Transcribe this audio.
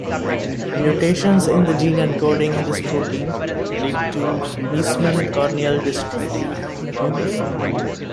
Mutations in the gene encoding this protein lead to Meesmann corneal dystrophy.